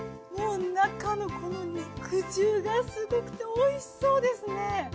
もう中のこの肉汁がすごくておいしそうですね。